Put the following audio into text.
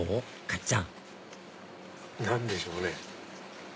かっちゃん何でしょうね？